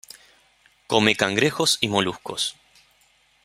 Come cangrejos y moluscos.